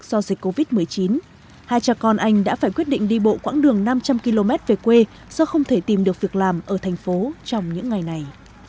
do dịch covid một mươi chín hai cha con anh đã phải quyết định đi bộ quãng đường năm trăm linh km về quê do không thể tìm được việc làm ở thành phố trong những ngày này